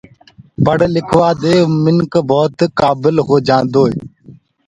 پڙه لکوآ دي منک ڀوت ڪآبل هوجآندو هي۔